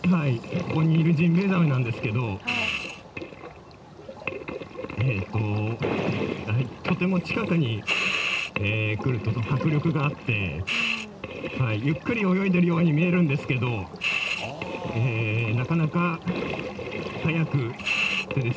ここにいるジンベエザメなんですけどとても近くに来ると迫力があってゆっくり泳いでるように見えるんですけどなかなか速くてですね